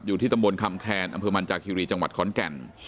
อยู่ที่ตำบลคำแคนอำเภอมันจากคีรีจังหวัดขอนแก่น